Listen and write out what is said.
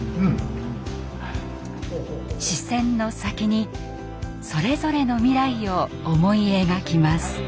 視線の先にそれぞれの未来を思い描きます。